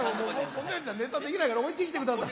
こんなんじゃネタできないから置いてきてください。